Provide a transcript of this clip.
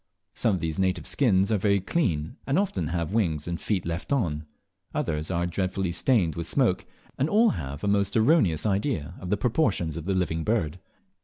Some of these native skins are very clean, and often have wings and feet left on; others are dreadfully stained with smoke, and all hive a most erroneous idea of the proportions of the living bird.